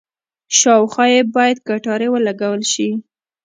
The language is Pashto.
شاوخوا یې باید کټارې ولګول شي.